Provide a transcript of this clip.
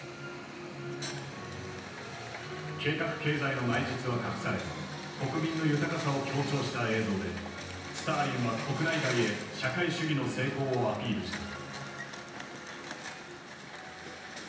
計画経済の内実は隠され国民の豊かさを強調した映像でスターリンは国内外へ社会主義の成功をアピールした。